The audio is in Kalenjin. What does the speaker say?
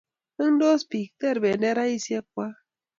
Mengtos bik, ter benderesiek kwai